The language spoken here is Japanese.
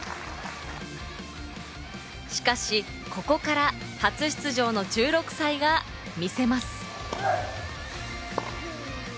しかしここから初出場の１６歳が見せます。